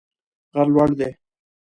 غر لوړ دی